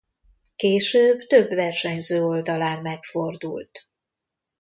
Később több versenyző oldalán megfordult.